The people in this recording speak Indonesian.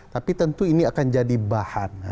tapi tentu ini akan jadi bahan